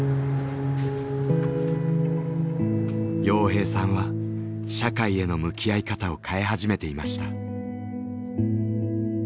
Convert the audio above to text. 洋平さんは社会への向き合い方を変え始めていました。